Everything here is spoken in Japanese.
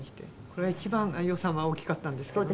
これが一番予算は大きかったんですけどね。